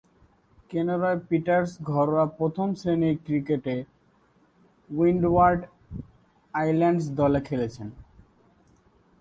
Kenroy Peters ঘরোয়া প্রথম-শ্রেণীর ক্রিকেটে উইন্ডওয়ার্ড আইল্যান্ডস দলে খেলছেন।